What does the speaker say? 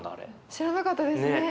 知らなかったですね。